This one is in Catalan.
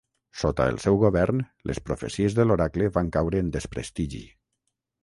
Sota el seu govern, les profecies de l'oracle van caure en desprestigi.